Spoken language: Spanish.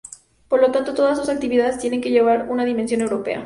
Por lo tanto, todas sus actividades tienen que llevar una dimensión europea.